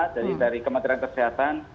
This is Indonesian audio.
dari kementerian kesehatan